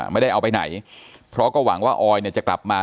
ไม่ได้เอาไปไหนเพราะก็หวังว่าออยเนี่ยจะกลับมา